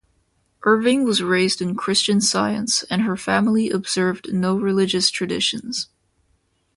Irving was raised in Christian Science, and her family observed no religious traditions.